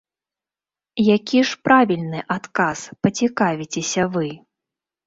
Які ж правільны адказ, пацікавіцеся вы?